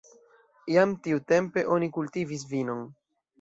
Jam tiutempe oni kultivis vinon.